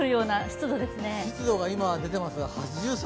湿度が今出ていますが８３％。